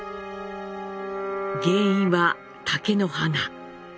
原因は竹の花。